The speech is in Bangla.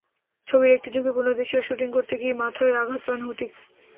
ছবির একটি ঝুঁকিপূর্ণ দৃশ্যের শুটিং করতে গিয়ে মাথায় আঘাত পান হূতিক।